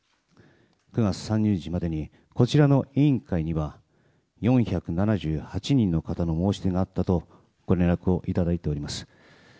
９月３０日までにこちらの委員会には４７８人の方の申し出があったとご連絡をいただいております。